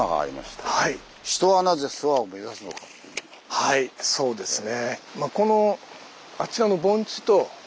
はいそうですね。